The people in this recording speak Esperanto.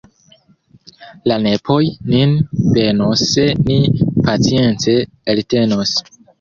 La nepoj nin benos se ni pacience eltenos!